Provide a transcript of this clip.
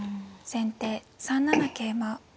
先手３七桂馬。